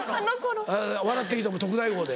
『笑っていいとも！特大号』で。